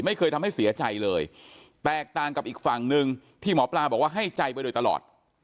ไม่เคยทำให้เสียใจเลยแตกต่างกับอีกฝั่งหนึ่งที่หมอปลาบอกว่าให้ใจไปโดยตลอด